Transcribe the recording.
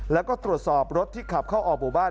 แล้วก็ตรวจสอบรถที่ขับเข้าออกหมู่บ้าน